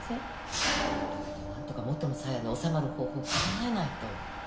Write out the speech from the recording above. だけどなんとか元のさやに納まる方法を考えないと。